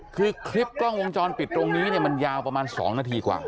คือคลิปกล้องวงจรปิดตรงนี้เนี่ยมันยาวประมาณ๒นาทีกว่า